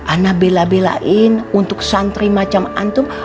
anak bela belain untuk santri macam antum